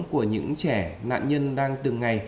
của những trẻ nạn nhân đang từng ngày